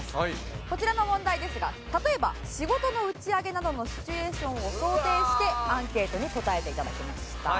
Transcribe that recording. こちらの問題ですが例えば仕事の打ち上げなどのシチュエーションを想定してアンケートに答えて頂きました。